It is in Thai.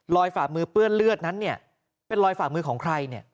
ฝ่ามือเปื้อนเลือดนั้นเนี่ยเป็นรอยฝ่ามือของใครเนี่ย